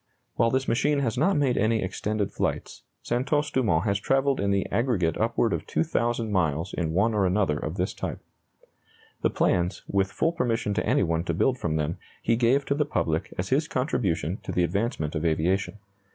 While this machine has not made any extended flights, Santos Dumont has travelled in the aggregate upward of 2,000 miles in one or another of this type. The plans, with full permission to any one to build from them, he gave to the public as his contribution to the advancement of aviation.